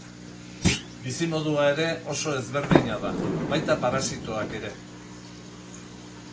Bizimodua ere oso ezberdina da, baita parasitoak ere.